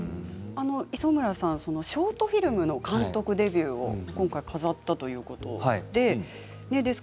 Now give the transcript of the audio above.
磯村さんはショートドラマの監督デビューも今回、飾ったということで。